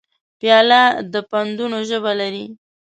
پیاله د پندونو ژبه لري.